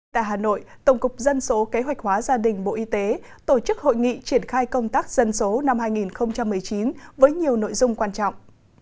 tại hà nội tổng cục dân số kế hoạch hóa gia đình bộ y tế tổ chức hội nghị triển khai công tác dân số năm hai nghìn một mươi chín với nhiều nội dung quan trọng